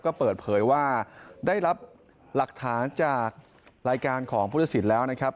ก็เปิดเผยว่าได้รับหลักฐานจากรายการของพุทธศิลป์แล้วนะครับ